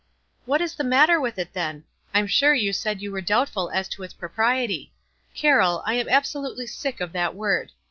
"What is the matter with it then? I'm sure you said \*ou were doubtful as to its propriety. Carroll, I am absolutely sick of that word.